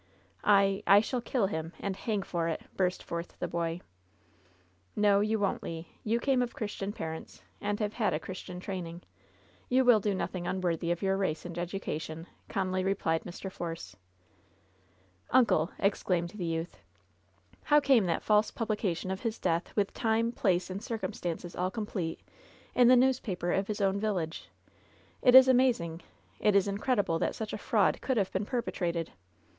"I — I shall kill him, and hang for it I" burst forth the boy. "No, you wonH, Le. You came of Christian parents, and have had a Christian training. You will do nothing 102 LOVE'S BITTEREST CUP unworthy of your race and education/' calmly replibJ Mr. Force. "Uncle 1" exclaimed the youth, *^ow came that false publication of his death, with time, place and circum stances all complete, in the newspaper of his own vil lage ? It is amazing. It is incredible that such a fraud could have been perpetrated."